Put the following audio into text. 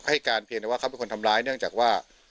ให้การเพียงแต่ว่าเขาเป็นคนทำร้ายเนื่องจากว่า